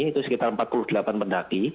itu sekitar empat puluh delapan pendaki